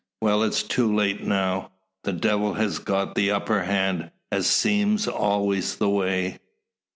Well, it's too late now. The Devil has got the upper hand, as seem always the way.